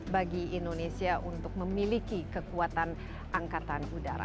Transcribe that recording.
bagi indonesia untuk memiliki kekuatan angkatan udara